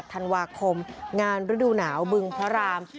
ธันวาคมงานฤดูหนาวบึงพระราม